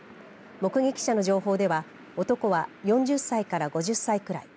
目撃者の情報では、男は４０歳から５０歳くらい。